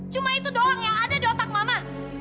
cuma itu doang yang ada di otak mama